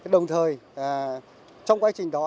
đồng thời trong quá trình đó